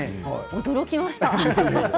驚きました。